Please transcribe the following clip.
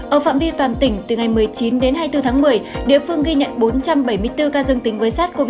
ở phạm vi toàn tỉnh từ ngày một mươi chín đến hai mươi bốn tháng một mươi địa phương ghi nhận bốn trăm bảy mươi bốn ca dương tính với sars cov hai